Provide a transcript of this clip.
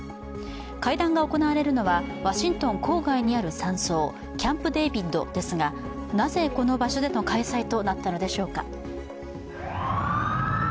会談が行われるのはワシントン郊外にある山荘キャンプ・デービッドですが、なぜこの場所での開催となったのでしょうか。